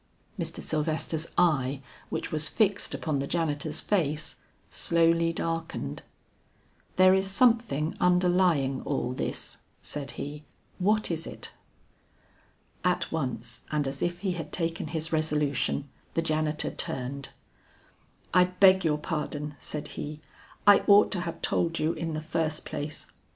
Mr. Sylvester's eye which was fixed upon the janitor's face, slowly darkened. "There is something underlying all this," said he, "what is it?" At once and as if he had taken his resolution, the janitor turned. "I beg your pardon," said he, "I ought to have told you in the first place.